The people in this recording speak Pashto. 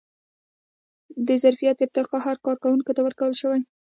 د ظرفیت ارتقا حق کارکوونکي ته ورکړل شوی.